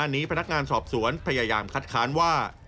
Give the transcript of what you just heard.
นี้พนักงานสอบสวนพยายามคัดค้านว่า